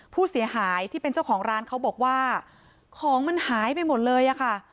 ผู้เสียหายที่เป็นเจ้าของร้านเขาบอกว่าของมันหายไปหมดเลยอะค่ะ